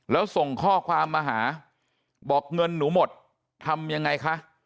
แล้วส่งข้อความมาหาบอกเงินหนูหมดทำยังไงคะ